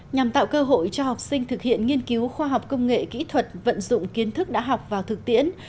nhằm tạo cơ hội cho học sinh thực hiện nghiên cứu khoa học công nghệ kỹ thuật vận dụng kiến thức đã học vào thực tiễn